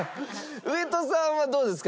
上戸さんはどうですか？